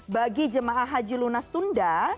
bagi jemaah haji lunas tunda